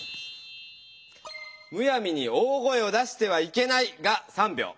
「むやみに大声を出してはいけない」が３票。